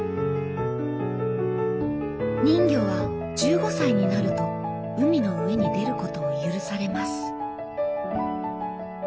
人魚は１５歳になると海の上に出ることを許されます。